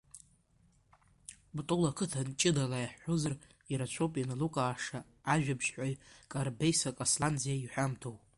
Кәтол ақыҭан ҷыдала иаҳҳәозар, ирацәоуп иналукааша ажәабжьҳәаҩ Қарбеи Касланӡиа иҳәамҭоу.